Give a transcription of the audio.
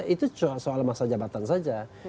itu soal masa jabatan saja